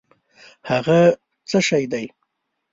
هٔغه څه شی دی؟